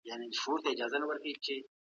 ایا افغان سوداګر پسته اخلي؟